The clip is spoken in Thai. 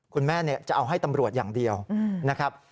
คุณแม่จะเอาให้ตำรวจอย่างเดียวนะครับ